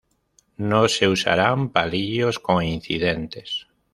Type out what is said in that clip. No se usaran palillos coincidentes.